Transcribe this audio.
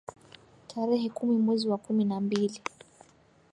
tarehe kumi mwezi wa kumi na mbili